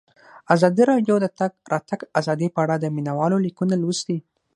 ازادي راډیو د د تګ راتګ ازادي په اړه د مینه والو لیکونه لوستي.